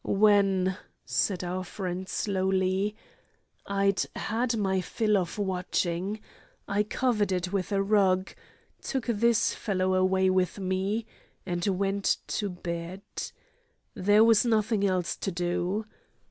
"When," said our friend slowly, "I'd had my fill of watching, I covered it with a rug, took this fellow away with me, and went to bed. There was nothing else to do.